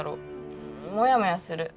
んモヤモヤする。